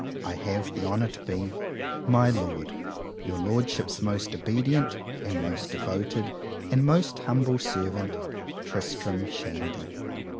I have the honour to be, My Lord, Your Lordship's most obedient, and most devoted, and most humble servant, TRISTRAM SHANDY."